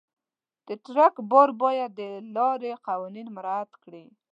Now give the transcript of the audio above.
د ټرک بار باید د لارې قوانین مراعت کړي.